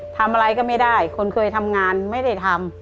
ทำอะไรก็ไม่ได้คนเคยทำงานไม่ได้ทำ